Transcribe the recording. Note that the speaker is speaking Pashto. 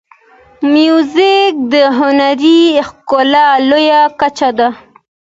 موزیک د هنري ښکلا لوړه کچه ده.